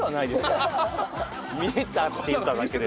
「見れた」って言っただけで。